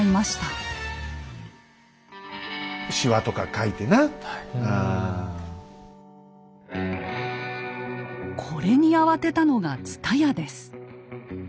これに慌てたのが蔦屋です。